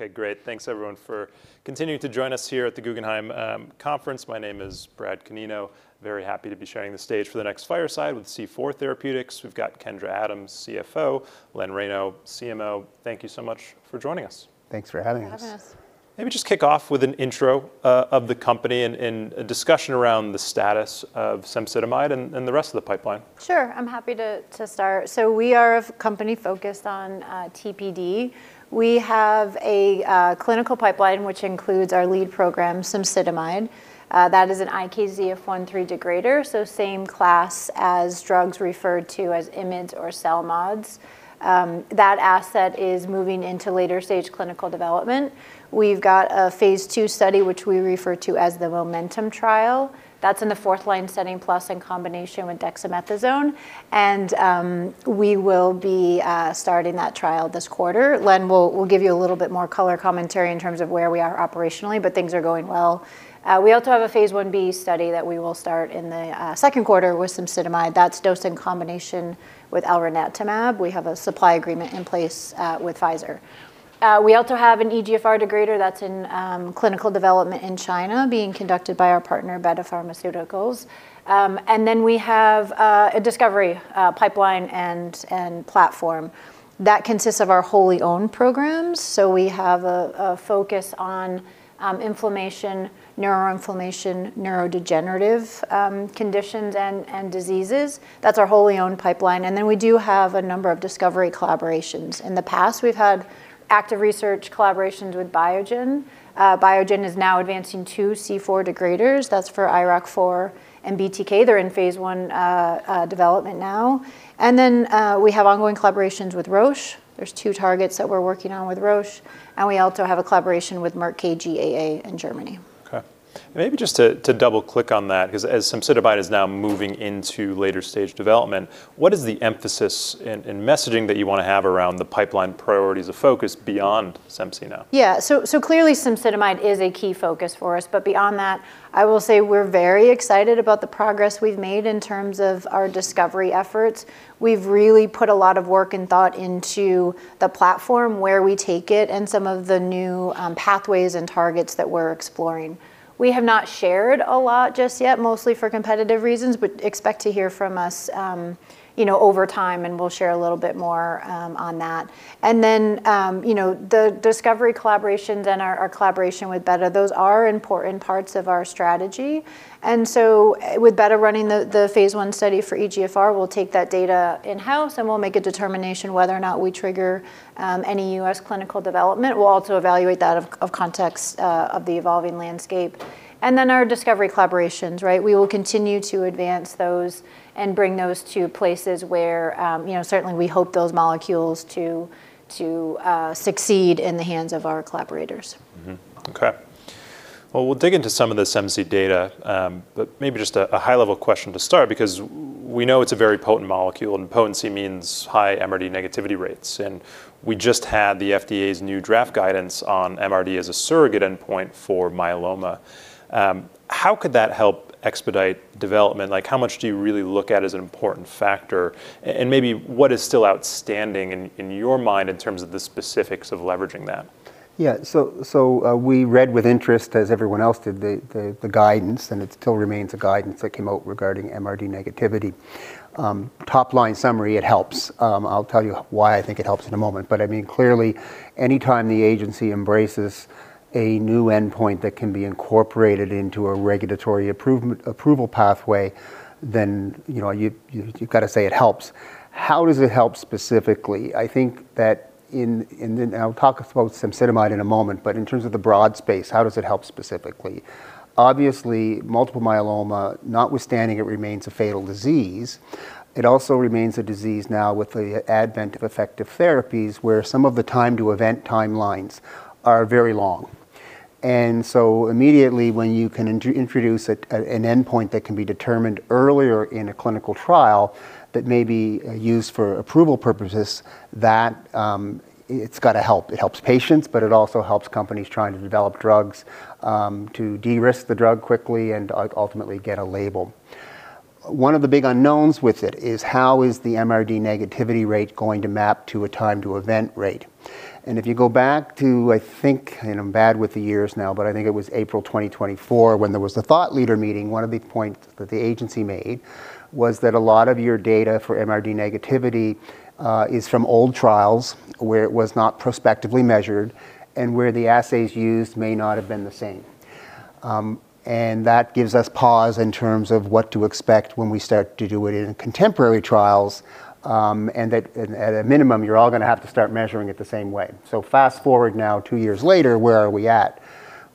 Okay, great. Thanks, everyone, for continuing to join us here at the Guggenheim Conference. My name is Brad Canino. Very happy to be sharing the stage for the next Fireside with C4 Therapeutics. We've got Kendra Adams, CFO, Len Reyno, CMO. Thank you so much for joining us. Thanks for having us. For having us. Maybe just kick off with an intro of the company and a discussion around the status of cemsidomide and the rest of the pipeline. Sure. I'm happy to start. So we are a company focused on TPD. We have a clinical pipeline which includes our lead program, cemsidomide. That is an IKZF1/3 degrader, so same class as drugs referred to as IMiDs or CELMoDs. That asset is moving into later-stage clinical development. We've got a phase II study which we refer to as the MOMENTUM trial. That's in the fourth-line setting plus in combination with dexamethasone. And we will be starting that trial this quarter. Len will give you a little bit more color commentary in terms of where we are operationally, but things are going well. We also have a phase IB study that we will start in the second quarter with cemsidomide. That's dosed in combination with elranatamab. We have a supply agreement in place with Pfizer. We also have an EGFR degrader that's in clinical development in China being conducted by our partner, Betta Pharmaceuticals. We have a discovery pipeline and platform that consists of our wholly owned programs. We have a focus on inflammation, neuroinflammation, neurodegenerative conditions and diseases. That's our wholly owned pipeline. We do have a number of discovery collaborations. In the past, we've had active research collaborations with Biogen. Biogen is now advancing two C4 degraders. That's for IRAK4 and BTK. They're in phase I development now. We have ongoing collaborations with Roche. There's two targets that we're working on with Roche. We also have a collaboration with Merck KGaA in Germany. Okay. And maybe just to double-click on that, because as cemsidomide is now moving into later-stage development, what is the emphasis and messaging that you want to have around the pipeline priorities of focus beyond cemsidomide? Yeah. So clearly, cemsidomide is a key focus for us. But beyond that, I will say we're very excited about the progress we've made in terms of our discovery efforts. We've really put a lot of work and thought into the platform, where we take it, and some of the new pathways and targets that we're exploring. We have not shared a lot just yet, mostly for competitive reasons, but expect to hear from us over time. And we'll share a little bit more on that. And then the discovery collaborations and our collaboration with Betta, those are important parts of our strategy. And so with Betta running the phase I study for EGFR, we'll take that data in-house and we'll make a determination whether or not we trigger any U.S. clinical development. We'll also evaluate that in context of the evolving landscape. And then our discovery collaborations, right? We will continue to advance those and bring those to places where certainly we hope those molecules to succeed in the hands of our collaborators. Okay. Well, we'll dig into some of the cemsidomide data. But maybe just a high-level question to start, because we know it's a very potent molecule. And potency means high MRD negativity rates. And we just had the FDA's new draft guidance on MRD as a surrogate endpoint for myeloma. How could that help expedite development? How much do you really look at as an important factor? And maybe what is still outstanding in your mind in terms of the specifics of leveraging that? Yeah. So we read with interest, as everyone else did, the guidance. It still remains a guidance that came out regarding MRD negativity. Top-line summary, it helps. I'll tell you why I think it helps in a moment. But I mean, clearly, any time the agency embraces a new endpoint that can be incorporated into a regulatory approval pathway, then you've got to say it helps. How does it help specifically? I think that in and I'll talk about cemsidomide in a moment. But in terms of the broad space, how does it help specifically? Obviously, multiple myeloma, notwithstanding it remains a fatal disease, it also remains a disease now with the advent of effective therapies where some of the time-to-event timelines are very long. Immediately, when you can introduce an endpoint that can be determined earlier in a clinical trial that may be used for approval purposes, it's got to help. It helps patients, but it also helps companies trying to develop drugs to de-risk the drug quickly and ultimately get a label. One of the big unknowns with it is how is the MRD negativity rate going to map to a time-to-event rate? If you go back to I think I'm bad with the years now, but I think it was April 2024 when there was the thought leader meeting, one of the points that the agency made was that a lot of your data for MRD negativity is from old trials where it was not prospectively measured and where the assays used may not have been the same. That gives us pause in terms of what to expect when we start to do it in contemporary trials. At a minimum, you're all going to have to start measuring it the same way. So fast forward now, two years later, where are we at?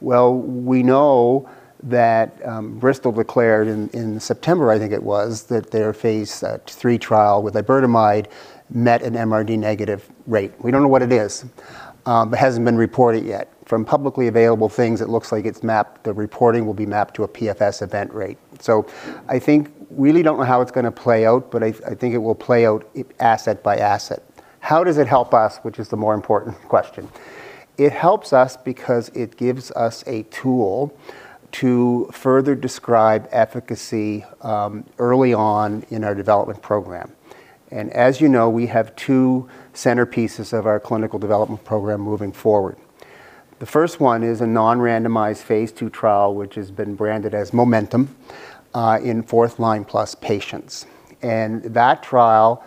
Well, we know that Bristol declared in September, I think it was, that their phase III trial with iberdomide met an MRD negative rate. We don't know what it is. It hasn't been reported yet. From publicly available things, it looks like it's mapped the reporting will be mapped to a PFS event rate. So I think we really don't know how it's going to play out, but I think it will play out asset by asset. How does it help us, which is the more important question? It helps us because it gives us a tool to further describe efficacy early on in our development program. As you know, we have two centerpieces of our clinical development program moving forward. The first one is a non-randomized phase II trial, which has been branded as MOMENTUM, in fourth-line plus patients. That trial,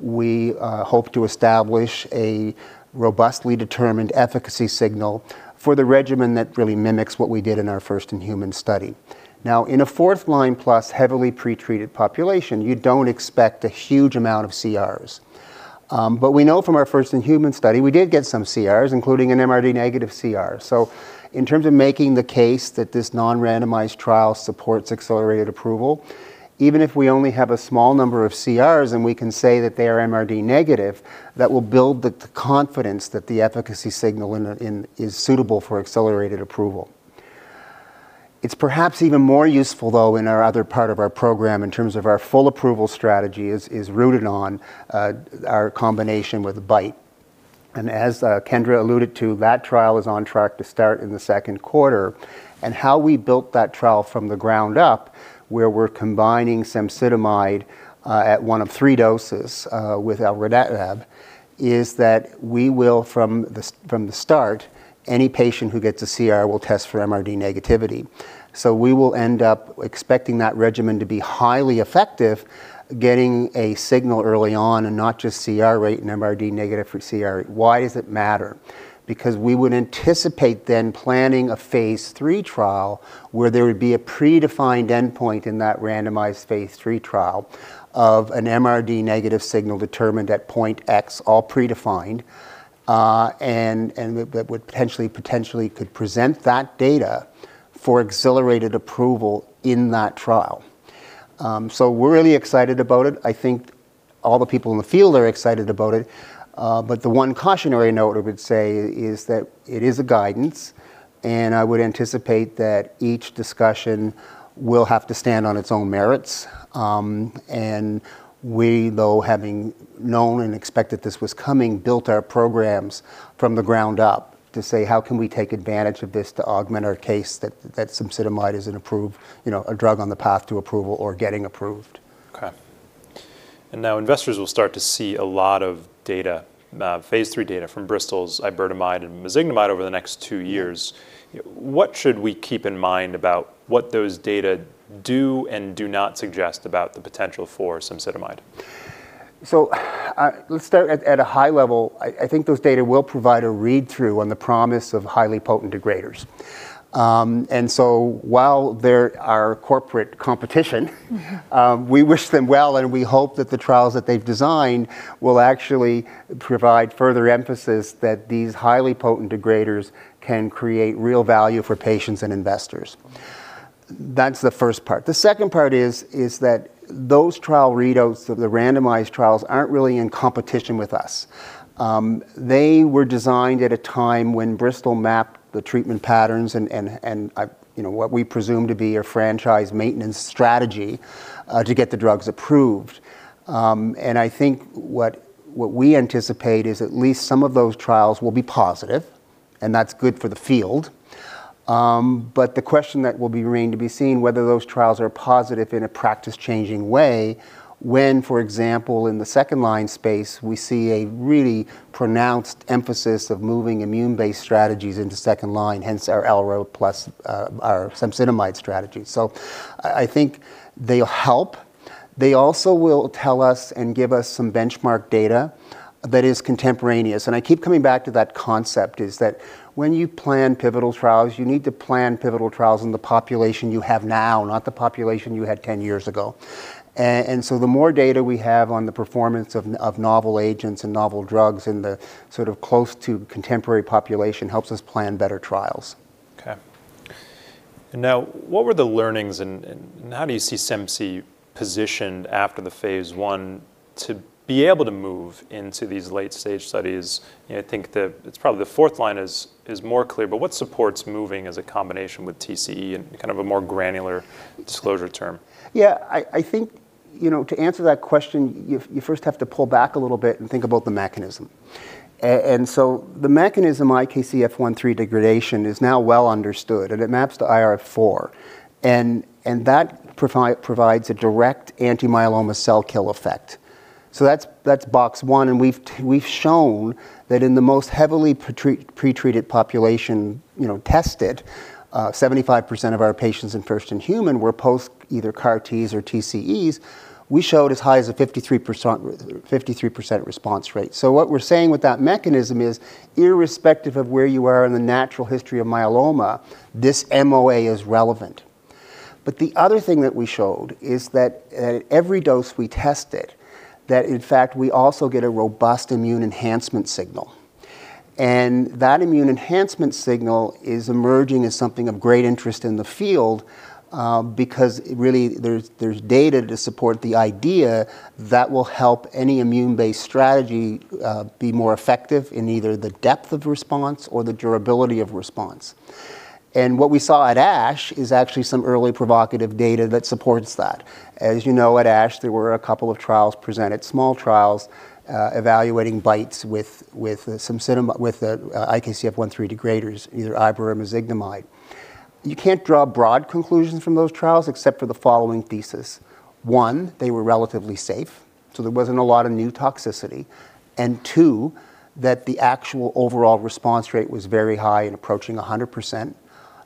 we hope to establish a robustly determined efficacy signal for the regimen that really mimics what we did in our first-in-human study. Now, in a fourth-line plus heavily pretreated population, you don't expect a huge amount of CRs. We know from our first-in-human study, we did get some CRs, including an MRD-negative CR. So in terms of making the case that this non-randomized trial supports accelerated approval, even if we only have a small number of CRs and we can say that they are MRD negative, that will build the confidence that the efficacy signal is suitable for accelerated approval. It's perhaps even more useful, though, in our other part of our program in terms of our full approval strategy is rooted on our combination with BiTE. And as Kendra alluded to, that trial is on track to start in the second quarter. And how we built that trial from the ground up, where we're combining cemsidomide at one of three doses with elranatamab, is that we will, from the start, any patient who gets a CR will test for MRD negativity. So we will end up expecting that regimen to be highly effective, getting a signal early on and not just CR rate and MRD negative for CR rate. Why does it matter? Because we would anticipate then planning a phase III trial where there would be a predefined endpoint in that randomized phase III trial of an MRD negative signal determined at point X, all predefined, and that would potentially could present that data for accelerated approval in that trial. So we're really excited about it. I think all the people in the field are excited about it. But the one cautionary note I would say is that it is a guidance. And I would anticipate that each discussion will have to stand on its own merits. We, though having known and expected this was coming, built our programs from the ground up to say, how can we take advantage of this to augment our case that cemsidomide is an approvable drug on the path to approval or getting approved? Okay. And now investors will start to see a lot of data Phase III data from Bristol's iberdomide and mezigdomide over the next two years. What should we keep in mind about what those data do and do not suggest about the potential for cemsidomide? So let's start at a high level. I think those data will provide a read-through on the promise of highly potent degraders. And so while they're our corporate competition, we wish them well. And we hope that the trials that they've designed will actually provide further emphasis that these highly potent degraders can create real value for patients and investors. That's the first part. The second part is that those trial readouts, the randomized trials, aren't really in competition with us. They were designed at a time when Bristol mapped the treatment patterns and what we presume to be a franchise maintenance strategy to get the drugs approved. And I think what we anticipate is at least some of those trials will be positive. And that's good for the field. But the question that will remain to be seen whether those trials are positive in a practice-changing way when, for example, in the second-line space, we see a really pronounced emphasis of moving immune-based strategies into second-line, hence our cemsidomide strategy. So I think they'll help. They also will tell us and give us some benchmark data that is contemporaneous. And I keep coming back to that concept, is that when you plan pivotal trials, you need to plan pivotal trials in the population you have now, not the population you had 10 years ago. And so the more data we have on the performance of novel agents and novel drugs in the sort of close to contemporary population helps us plan better trials. Okay. And now, what were the learnings? And how do you see cemsidomide positioned after the phase I to be able to move into these late-stage studies? I think that it's probably the fourth line is more clear. But what supports moving as a combination with TCE and kind of a more granular disclosure term? Yeah. I think to answer that question, you first have to pull back a little bit and think about the mechanism. So the mechanism IKZF1/3 degradation is now well understood. And it maps to IRAK4. And that provides a direct anti-myeloma cell kill effect. So that's box one. And we've shown that in the most heavily pretreated population tested, 75% of our patients in first-in-human were post either CAR-Ts or TCEs. We showed as high as a 53% response rate. So what we're saying with that mechanism is, irrespective of where you are in the natural history of myeloma, this MOA is relevant. But the other thing that we showed is that at every dose we tested, that in fact, we also get a robust immune enhancement signal. That immune enhancement signal is emerging as something of great interest in the field because really there's data to support the idea that will help any immune-based strategy be more effective in either the depth of response or the durability of response. And what we saw at ASH is actually some early provocative data that supports that. As you know, at ASH, there were a couple of trials presented, small trials, evaluating BiTEs with IKZF1/3 degraders, either iberdomide or mezigdomide. You can't draw broad conclusions from those trials except for the following thesis. One, they were relatively safe. So there wasn't a lot of new toxicity. And two, that the actual overall response rate was very high and approaching 100%,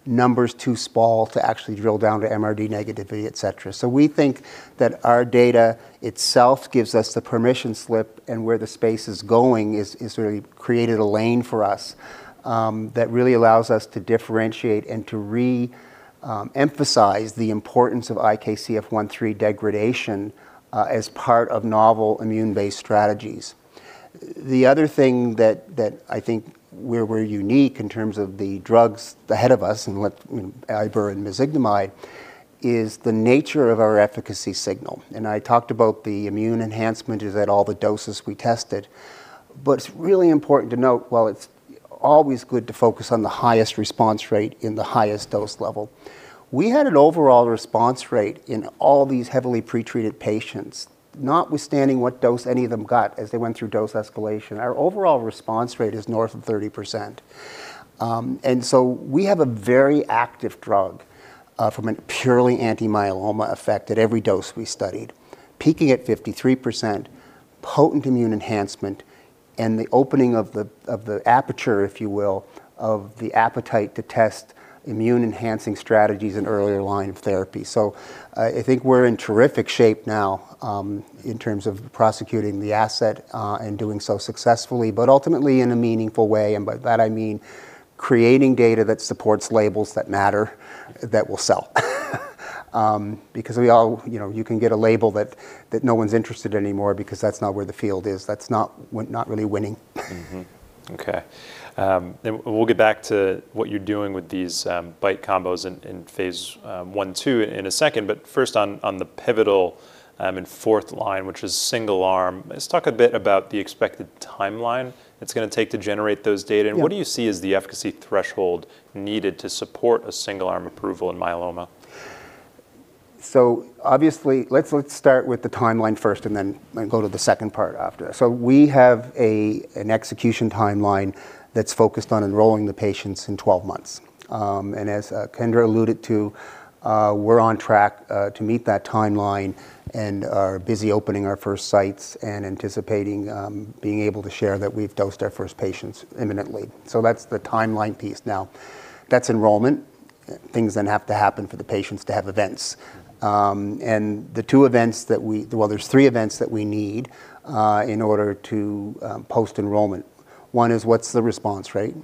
numbers too small to actually drill down to MRD negativity, et cetera. So we think that our data itself gives us the permission slip. And where the space is going has really created a lane for us that really allows us to differentiate and to reemphasize the importance of IKZF1/3 degradation as part of novel immune-based strategies. The other thing that I think where we're unique in terms of the drugs ahead of us, iberdomide and mezigdomide, is the nature of our efficacy signal. And I talked about the immune enhancement is at all the doses we tested. But it's really important to note, well, it's always good to focus on the highest response rate in the highest dose level. We had an overall response rate in all these heavily pretreated patients, notwithstanding what dose any of them got as they went through dose escalation. Our overall response rate is north of 30%. And so we have a very active drug from a purely antimyeloma effect at every dose we studied, peaking at 53%, potent immune enhancement, and the opening of the aperture, if you will, of the appetite to test immune-enhancing strategies in earlier line of therapy. So I think we're in terrific shape now in terms of prosecuting the asset and doing so successfully, but ultimately in a meaningful way. And by that, I mean creating data that supports labels that matter that will sell. Because you can get a label that no one's interested anymore because that's not where the field is. That's not really winning. Okay. And we'll get back to what you're doing with these BiTE combos in phase I and II in a second. But first, on the pivotal in fourth-line, which is single-arm, let's talk a bit about the expected timeline it's going to take to generate those data. And what do you see as the efficacy threshold needed to support a single-arm approval in myeloma? So obviously, let's start with the timeline first and then go to the second part after that. So we have an execution timeline that's focused on enrolling the patients in 12 months. And as Kendra alluded to, we're on track to meet that timeline and are busy opening our first sites and anticipating being able to share that we've dosed our first patients imminently. So that's the timeline piece. Now, that's enrollment. Things then have to happen for the patients to have events. And there's three events that we need in order to post-enrollment. One is, what's the response rate?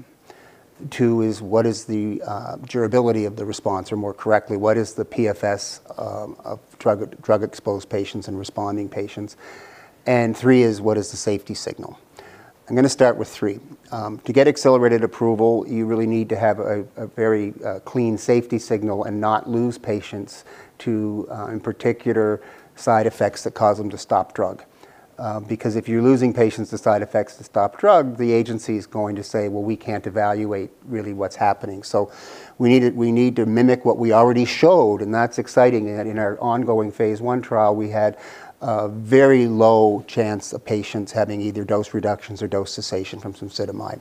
Two is, what is the durability of the response? Or more correctly, what is the PFS of drug-exposed patients and responding patients? And three is, what is the safety signal? I'm going to start with three. To get accelerated approval, you really need to have a very clean safety signal and not lose patients to, in particular, side effects that cause them to stop drug. Because if you're losing patients to side effects to stop drug, the agency is going to say, well, we can't evaluate really what's happening. So we need to mimic what we already showed. And that's exciting. In our ongoing phase I trial, we had a very low chance of patients having either dose reductions or dose cessation from cemsidomide.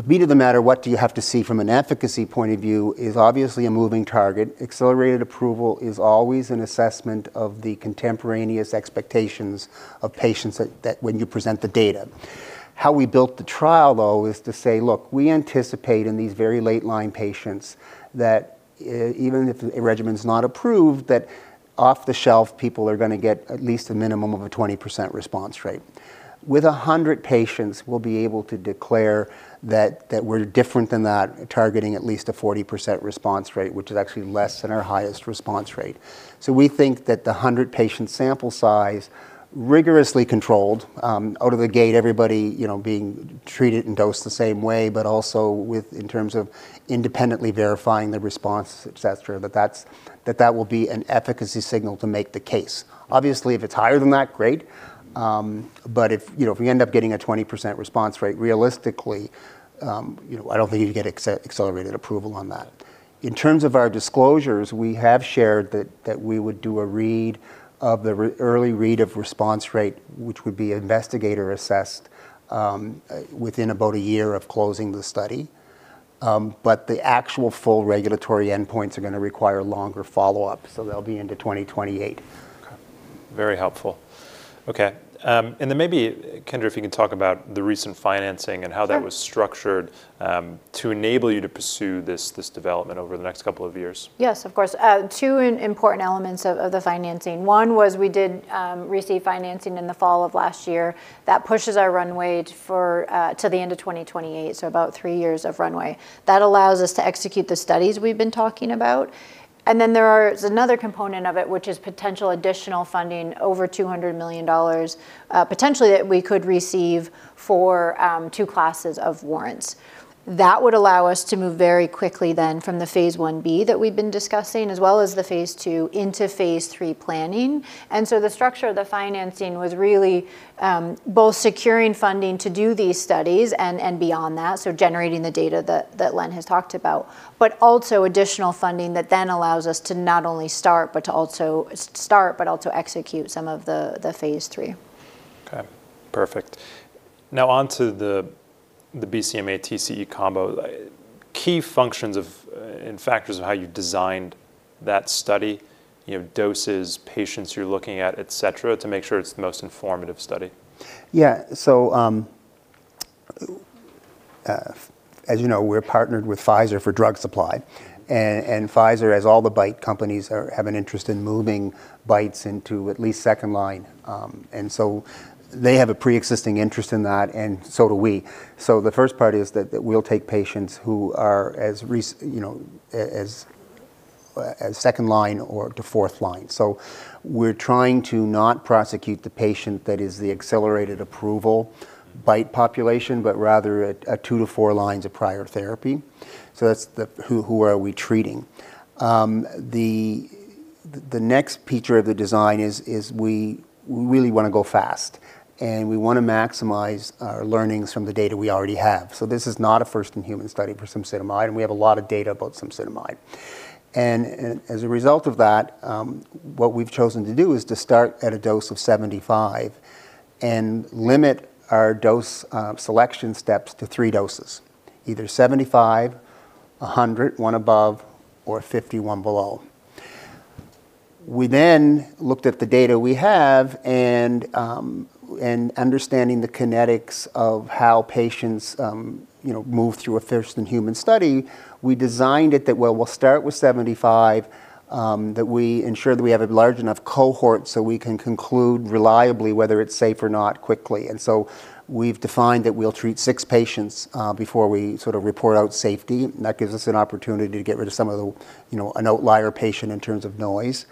The bottom line, what do you have to see from an efficacy point of view, is obviously a moving target. Accelerated approval is always an assessment of the contemporaneous expectations of patients when you present the data. How we built the trial, though, is to say, look, we anticipate in these very late-line patients that even if a regimen is not approved, that off the shelf, people are going to get at least a minimum of a 20% response rate. With 100 patients, we'll be able to declare that we're different than that, targeting at least a 40% response rate, which is actually less than our highest response rate. So we think that the 100-patient sample size, rigorously controlled, out of the gate, everybody being treated and dosed the same way, but also in terms of independently verifying the response, et cetera, that that will be an efficacy signal to make the case. Obviously, if it's higher than that, great. But if you end up getting a 20% response rate, realistically, I don't think you'd get accelerated approval on that. In terms of our disclosures, we have shared that we would do an early read of response rate, which would be investigator-assessed within about a year of closing the study. The actual full regulatory endpoints are going to require longer follow-up. They'll be into 2028. Okay. Very helpful. Okay. And then maybe, Kendra, if you can talk about the recent financing and how that was structured to enable you to pursue this development over the next couple of years. Yes, of course. Two important elements of the financing. One was we did receive financing in the fall of last year. That pushes our runway to the end of 2028, so about three years of runway. That allows us to execute the studies we've been talking about. And then there is another component of it, which is potential additional funding, over $200 million, potentially that we could receive for two classes of warrants. That would allow us to move very quickly then from the phase I B that we've been discussing, as well as the phase II, into phase III planning. And so the structure of the financing was really both securing funding to do these studies and beyond that, so generating the data that Len has talked about, but also additional funding that then allows us to not only start but also execute some of the phase III. Okay. Perfect. Now, on to the BCMA-TCE combo. Key functions and factors of how you designed that study, doses, patients you're looking at, et cetera, to make sure it's the most informative study? Yeah. So as you know, we're partnered with Pfizer for drug supply. And Pfizer, as all the BiTE companies, have an interest in moving BiTEs into at least second line. And so they have a preexisting interest in that. And so do we. So the first part is that we'll take patients who are as second line or to fourth line. So we're trying to not prosecute the patient that is the accelerated approval BiTE population, but rather at two to four lines of prior therapy. So that's who are we treating? The next feature of the design is we really want to go fast. And we want to maximize our learnings from the data we already have. So this is not a first-in-human study for cemsidomide. And we have a lot of data about cemsidomide. As a result of that, what we've chosen to do is to start at a dose of 75 and limit our dose selection steps to three doses, either 75, 100, one above, or 50, one below. We then looked at the data we have. Understanding the kinetics of how patients move through a first-in-human study, we designed it that, well, we'll start with 75, that we ensure that we have a large enough cohort so we can conclude reliably whether it's safe or not quickly. That gives us an opportunity to get rid of some of the outlier patient in terms of noise.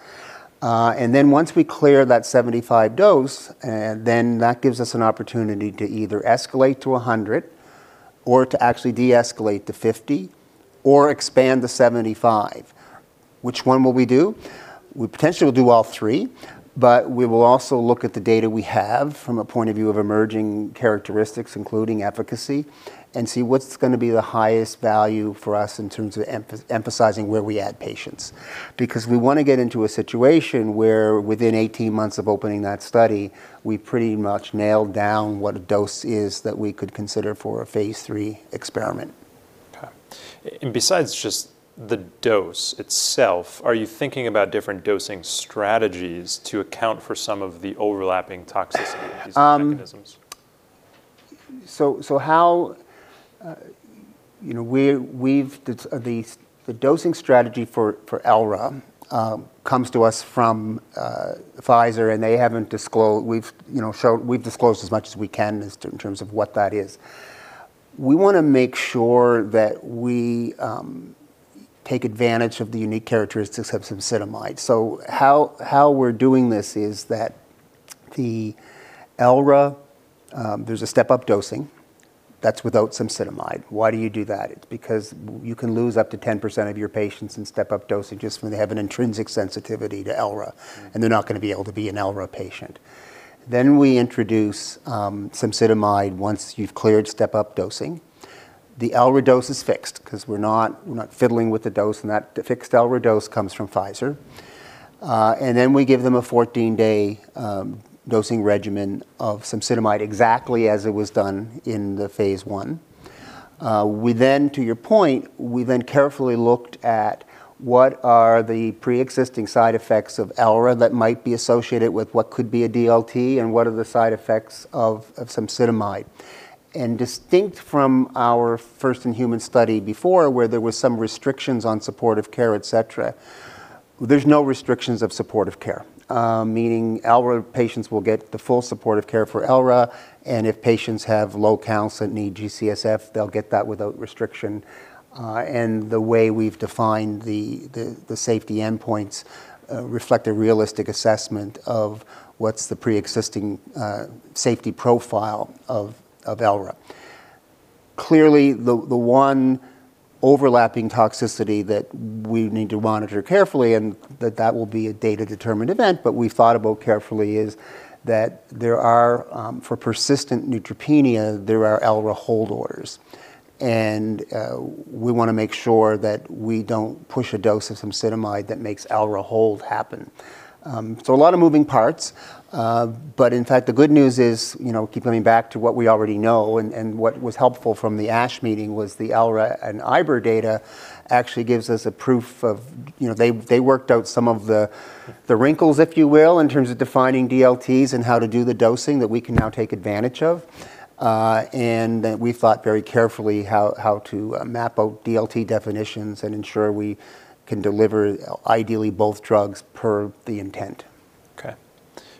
Then once we clear that 75 dose, then that gives us an opportunity to either escalate to 100 or to actually de-escalate to 50 or expand to 75. Which one will we do? We potentially will do all three. But we will also look at the data we have from a point of view of emerging characteristics, including efficacy, and see what's going to be the highest value for us in terms of emphasizing where we add patients. Because we want to get into a situation where within 18 months of opening that study, we pretty much nailed down what a dose is that we could consider for a phase III experiment. Okay. And besides just the dose itself, are you thinking about different dosing strategies to account for some of the overlapping toxicity of these mechanisms? So the dosing strategy for Elra comes to us from Pfizer. And they haven't disclosed. We've disclosed as much as we can in terms of what that is. We want to make sure that we take advantage of the unique characteristics of cemsidomide. So how we're doing this is that the Elra, there's a step-up dosing. That's without cemsidomide. Why do you do that? It's because you can lose up to 10% of your patients in step-up dosing just when they have an intrinsic sensitivity to ELRA. And they're not going to be able to be an ELRA patient. Then we introduce cemsidomide once you've cleared step-up dosing. The ELRA dose is fixed because we're not fiddling with the dose. And that fixed ELRA dose comes from Pfizer. And then we give them a 14-day dosing regimen of cemsidomide exactly as it was done in the phase I. To your point, we then carefully looked at what are the preexisting side effects of ELRA that might be associated with what could be a DLT and what are the side effects of cemsidomide. And distinct from our first in-human study before, where there were some restrictions on supportive care, et cetera, there's no restrictions of supportive care, meaning ELRA patients will get the full supportive care for ELRA. And if patients have low counts that need G-CSF, they'll get that without restriction. And the way we've defined the safety endpoints reflect a realistic assessment of what's the preexisting safety profile of ELRA. Clearly, the one overlapping toxicity that we need to monitor carefully and that that will be a data-determined event, but we've thought about carefully, is that for persistent neutropenia, there are ELRA hold orders. We want to make sure that we don't push a dose of cemsidomide that makes elranatamab hold happen. So a lot of moving parts. But in fact, the good news is keep coming back to what we already know. And what was helpful from the ASH meeting was the elranatamab and iberdomide data actually gives us a proof that they worked out some of the wrinkles, if you will, in terms of defining DLTs and how to do the dosing that we can now take advantage of. And we've thought very carefully how to map out DLT definitions and ensure we can deliver ideally both drugs per the intent. Okay.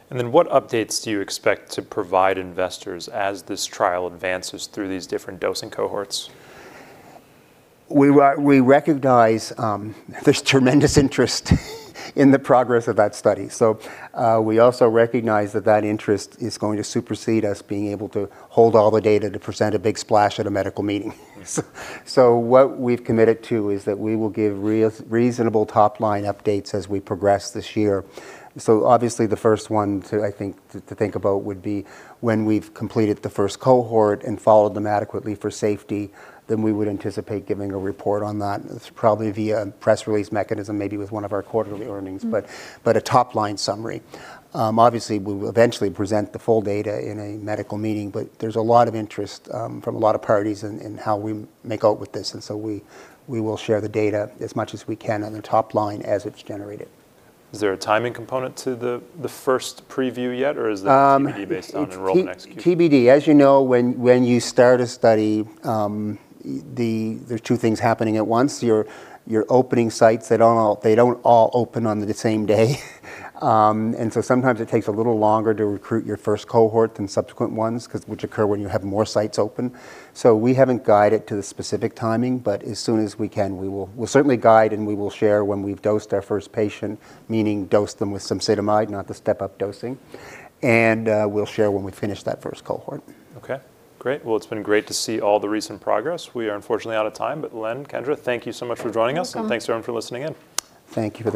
And then what updates do you expect to provide investors as this trial advances through these different dosing cohorts? We recognize there's tremendous interest in the progress of that study. We also recognize that that interest is going to supersede us being able to hold all the data to present a big splash at a medical meeting. What we've committed to is that we will give reasonable top-line updates as we progress this year. Obviously, the first one, I think, to think about would be when we've completed the first cohort and followed them adequately for safety, then we would anticipate giving a report on that. It's probably via a press release mechanism, maybe with one of our quarterly earnings, but a top-line summary. Obviously, we will eventually present the full data in a medical meeting. There's a lot of interest from a lot of parties in how we make out with this. We will share the data as much as we can on the top line as it's generated. Is there a timing component to the first preview yet? Or is that TBD based on enrollment execution? TBD. As you know, when you start a study, there's two things happening at once. You're opening sites. They don't all open on the same day. And so sometimes it takes a little longer to recruit your first cohort than subsequent ones, which occur when you have more sites open. So we haven't guided to the specific timing. But as soon as we can, we will certainly guide. And we will share when we've dosed our first patient, meaning dose them with cemsidomide, not the step-up dosing. And we'll share when we finish that first cohort. Okay. Great. Well, it's been great to see all the recent progress. We are, unfortunately, out of time. But Len, Kendra, thank you so much for joining us. And thanks, everyone, for listening in. Thank you for the.